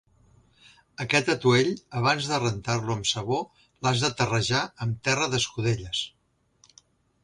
Aquest atuell, abans de rentar-lo amb sabó, l'has de terrejar amb terra d'escudelles.